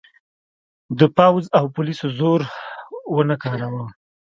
د پوځ او پولیسو زور ونه کاراوه.